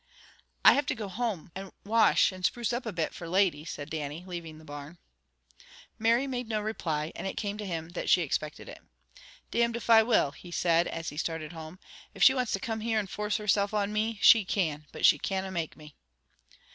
"I have to go home, and wash, and spruce up a bit, for ladies," said Dannie, leaving the barn. Mary made no reply, and it came to him that she expected it. "Damned if I will!" he said, as he started home. "If she wants to come here, and force herself on me, she can, but she canna mak' me."